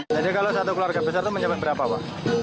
jadi kalau satu keluarga besar itu mencapai berapa pak